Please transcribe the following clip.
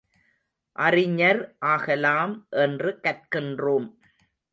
அறிஞர் ஆகலாம் என்று கற்கின்றோம்.